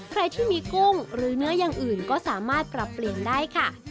ใครที่มีกุ้งหรือเนื้ออย่างอื่นก็สามารถปรับเปลี่ยนได้ค่ะ